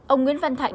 ông nguyễn văn thạnh